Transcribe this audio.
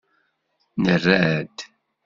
Nerra-d.